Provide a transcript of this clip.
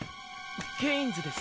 ケインズです。